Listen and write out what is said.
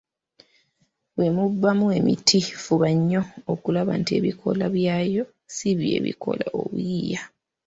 Bwe mubaamu emiti fuba nnyo okulaba nti ebikoola byagyo si bye bikola obuyiiya